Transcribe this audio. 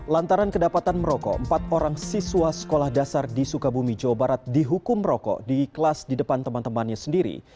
lantaran kedapatan merokok empat orang siswa sekolah dasar di sukabumi jawa barat dihukum rokok di kelas di depan teman temannya sendiri